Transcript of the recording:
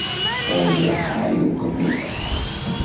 Ay lqay ugelmim-a!